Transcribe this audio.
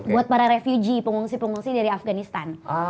buat para refuge pengungsi pengungsi dari afganistan